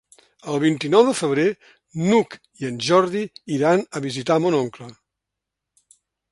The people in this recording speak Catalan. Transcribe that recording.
El vint-i-nou de febrer n'Hug i en Jordi iran a visitar mon oncle.